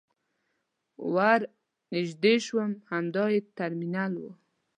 ور نژدې شوم همدا يې ترمینل و.